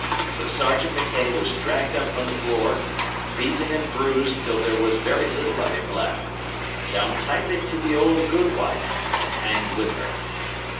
So Sergeant Mackay was dragged up from the floor, beaten and bruised till there was very little of him left, bound tightly to the old gude wife, and hanged with her.